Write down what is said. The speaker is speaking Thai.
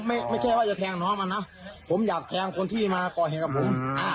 ไม่ใช่ว่าจะแทงน้องมันนะผมอยากแทงคนที่มาก่อเหตุกับผม